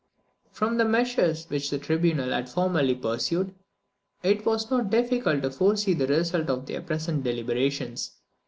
From the measures which this tribunal had formerly pursued, it was not difficult to foresee the result of their present deliberations.